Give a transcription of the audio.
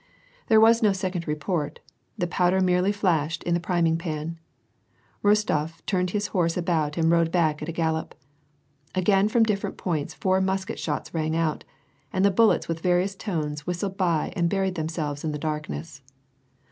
There was no second report, the powder merely flashed in the priming pan. Rostof turned his horse about and rode back at a gallop. Again from different points four musket shots rang out, and the bullets with various tones whistled by and buried themselves in the darkness.